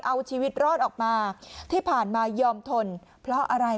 เอาชีวิตรอดออกมาที่ผ่านมายอมทนเพราะอะไร